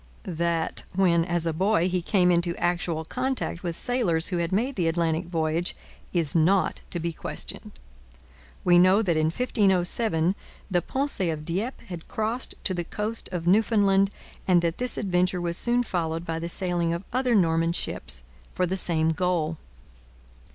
That, when a boy, he came into actual contact with sailors who had made the Atlantic voyage is not to be questioned. We know that in 1507 the Pensee of Dieppe had crossed to the coast of Newfoundland and that this adventure was soon followed by the sailing of other Norman ships for the same goal.